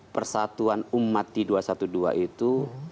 persatuan umat di dua ratus dua belas itu